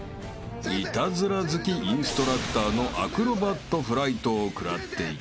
［イタズラ好きインストラクターのアクロバットフライトを食らっていた］